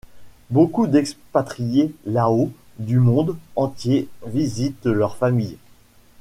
Beaucoup d'expatriés Lao du monde entier visitent leur famille.